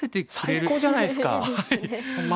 最高じゃないですか。ですね。